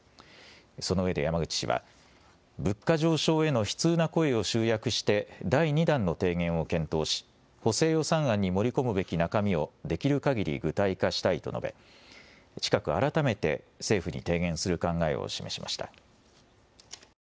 そのうえで山口氏は物価上昇への悲痛な声を集約して第２弾の提言を検討し補正予算案に盛り込むべき中身をできるかぎり具体化したいと述べ近く、改めて政府に提言する考えを示しました。